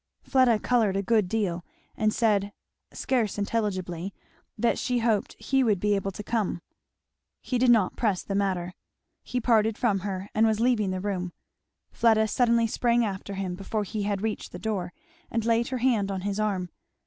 Fleda coloured a good deal, and said, scarce intelligibly, that she hoped he would be able to come. He did not press the matter. He parted from her and was leaving the room. Fleda suddenly sprang after him, before he had reached the door, and laid her hand on his arm.